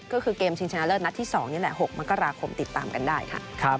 ก็คือเกมชิงชนะเลิศนัดที่๒นี่แหละ๖มกราคมติดตามกันได้ค่ะ